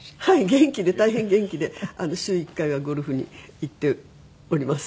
元気で大変元気で週１回はゴルフに行っております。